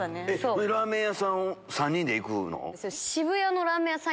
ラーメン屋さん３人で行くの？